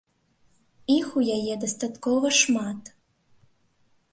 Іх у яе дастаткова шмат.